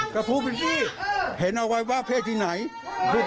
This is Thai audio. ก็พูดเป็นพี่เห็นอวัยวะเพศที่ไหนพูดไปด้วย